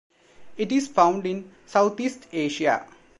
It is found in Southeast Asia.